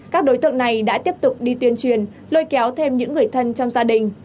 các đối tượng này đã tiếp tục đi tuyên truyền lôi kéo thêm những người thân trong gia đình